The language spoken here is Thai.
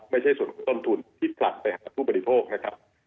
ไม่ใช่ส่วนของต้นทุนที่ผลัดไปหาผู้บริโภคนะครับ